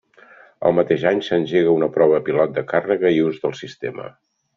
El mateix any s'engega una prova pilot de càrrega i ús del sistema.